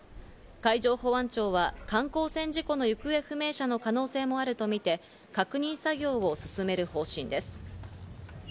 海上保安庁は観光船事故の行方不明者の可能性もあるとみて、確認作業を進める方針です。